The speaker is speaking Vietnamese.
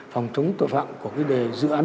phòng chống tội phạm của cái đề dự án